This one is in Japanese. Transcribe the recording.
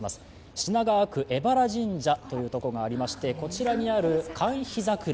品川区、荏原神社というところがありまして、こちらにある、かんひざくら